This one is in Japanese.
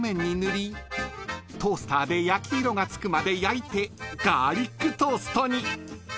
トースターで焼き色がつくまで焼いてガーリックトーストに］